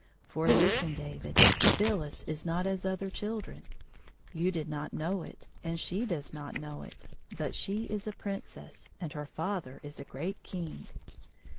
" For, listen, David, Phyllis is not as other children. You did not know it, and she does not know it ; but she is a Princess, and her father is a great King."